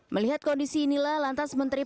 melihat kondisi inilah lantas menteri